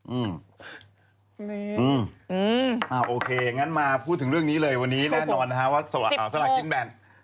อืมโอเคงั้นมาพูดถึงเรื่องนี้เลยวันนี้แน่นอนนะฮะสะหัสกิ้นแบน๑๐กง